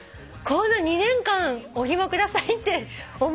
こんな２年間お暇下さいって。